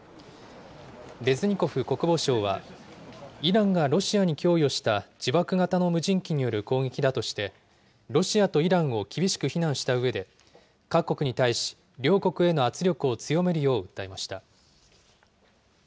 レズニコフ国防相は、イランがロシアに供与した自爆型の無人機による攻撃だとして、ロシアとイランを厳しく非難したうえで、各国に対し、両国への圧力を強めるよう訴えました。